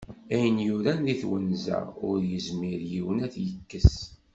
Ayen yuran deg twenza, ur yezmir yiwen ad t-yekkes.